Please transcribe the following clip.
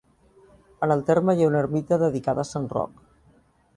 En el terme hi ha una ermita dedicada a sant Roc.